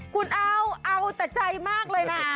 คุณเอาเอาแต่ใจมากเลยนะ